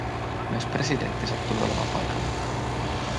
Myös presidentti sattui olemaan paikalla.